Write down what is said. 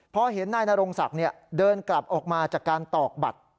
พอเห็นนายนรงศักดิ์เดินกลับออกมาจากการตอกบัตร